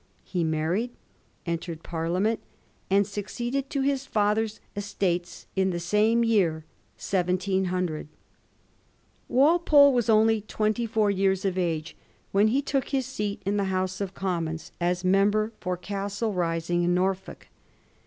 He married, entered Parliament, and succeeded to his father's estates in the same year, 1700, Walpole was only twenty four years of age when he took his seat in the House of Commons as member for Castle Rising in Norfolk.